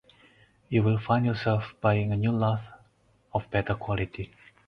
You will find yourself buying a new lathe of better quality.